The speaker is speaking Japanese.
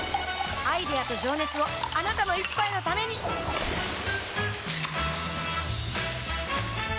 アイデアと情熱をあなたの一杯のためにプシュッ！